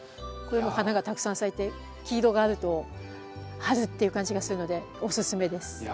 これも花がたくさん咲いて黄色があると春っていう感じがするのでおすすめです。